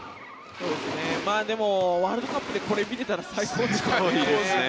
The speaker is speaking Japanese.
でも、ワールドカップでこれ見れたら最高ですね。